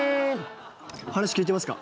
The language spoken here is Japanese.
話聞いてますか？